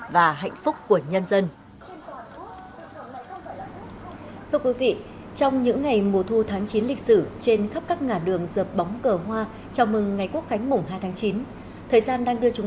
và hạnh phúc của nhân dân